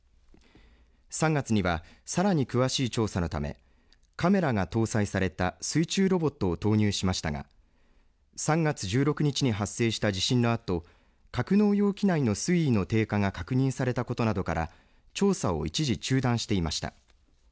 ３月にはさらに詳しい調査のためカメラが搭載された水中ロボットを投入しましたが３月１６日に発生した地震のあと格納容器内の水位の低下が確認されたことなどから調査を一時中断していました。